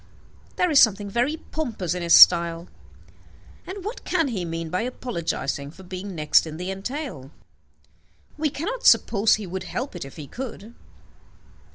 There is something very pompous in his style. And what can he mean by apologizing for being next in the entail? We cannot suppose he would help it, if he could.